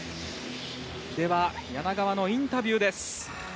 柳川のインタビューです。